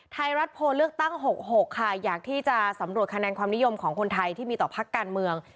ไทยรัฐโพลเลือกตั้ง๖๖ค่ะอยากที่จะสำรวจคะแนนความนิยมของคนไทยที่มีต่อพักการเมือง